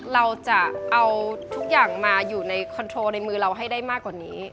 เราจะเอาทุกอย่างมาอยู่ในคอนโทรในมือเราให้ได้มากกว่านี้